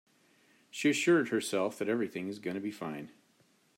She assured herself that everything is gonna be fine.